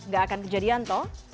gak akan kejadian toh